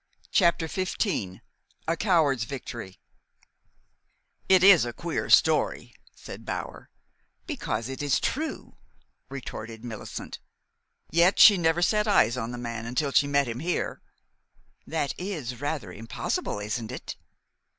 CHAPTER XV A COWARD'S VICTORY "It is a queer story," said Bower. "Because it is true," retorted Millicent. "Yet she never set eyes on the man until she met him here." "That is rather impossible, isn't it?"